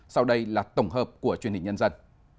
sau đây là tổng hợp của truyền hình nhân dân